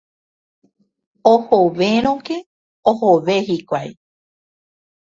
Ohovérõke ohove hikuái.